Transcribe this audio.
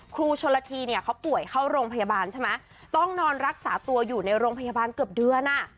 ครูชนละทีเนี่ยเขาป่วยเข้าโรงพยาบาลใช่ไหมต้องนอนรักษาตัวอยู่ในโรงพยาบาลเกือบเดือนอ่ะ